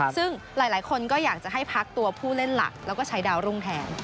ซึ่งหลายคนก็อยากจะให้พักตัวผู้เล่นหลักแล้วก็ใช้ดาวรุ่งแทน